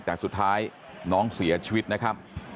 แต่สุดท้ายน้องเสียชีวิตนะครับ